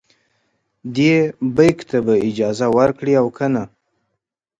دې بیک ته به اجازه ورکړي او کنه.